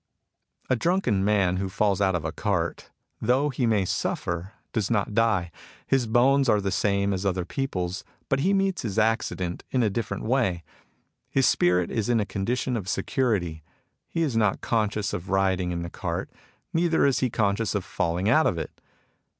A drunken man who falls out of a cart, though he may suffer, does not die. His bones are the same as other people's ; but he meets his accident in a different way. His spirit is in a condition of security. He is not conscious of riding in the cart ; neither is he conscious of falling out of it.